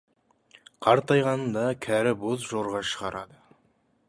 Қартайғанда кәрі боз жорға шығарады.